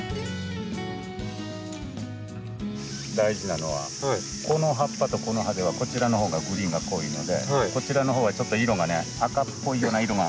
大事なのはこの葉っぱとこの葉ではこちらのほうがグリーンが濃いのでこちらのほうはちょっと色がね赤っぽいような色が含まれてますよね。